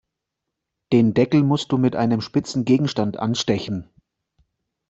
Den Deckel musst du mit einem spitzen Gegenstand anstechen.